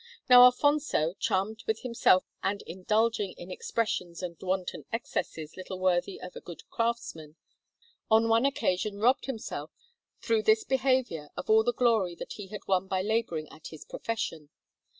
Now Alfonso, charmed with himself and indulging in expressions and wanton excesses little worthy of a good craftsman, on one occasion robbed himself through this behaviour of all the glory that he had won by labouring at his profession.